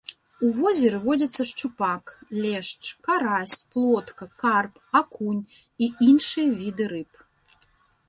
У возеры водзяцца шчупак, лешч, карась, плотка, карп, акунь і іншыя віды рыб.